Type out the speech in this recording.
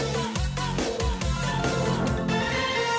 พบกันต่อไปนะครับ